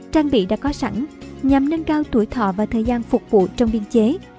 trang bị đã có sẵn nhằm nâng cao tuổi thọ và thời gian phục vụ trong biên chế